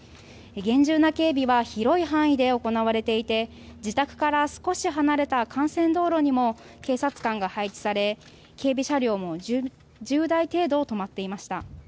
厳重な警備は広い範囲で行われていて自宅から少し離れた幹線道路にも警察官が配置され警備車両も１０台程度止まっていました。